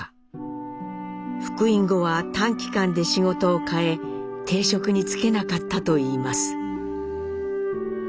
復員後は短期間で仕事を替え定職に就けなかったといいます。